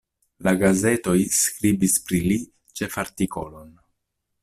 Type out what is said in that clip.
La gazetoj skribis pli li ĉefartikolon.